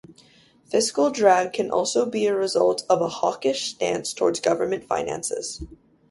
Fiscal drag can also be a result of a hawkish stance towards government finances.